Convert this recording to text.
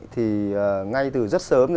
thì ngay từ rất sớm